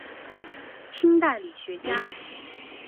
清代理学家。